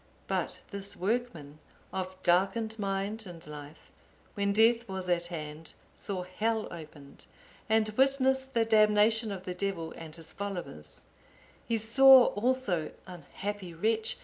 But this workman, of darkened mind and life, when death was at hand, saw Hell opened, and witnessed the damnation of the Devil and his followers; he saw also, unhappy wretch!